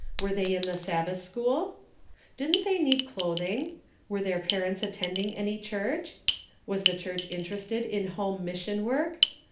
Were they in the Sabbath school ? Didn't they need clothing ? Were their parents attending any church? Was the church interested in home mission work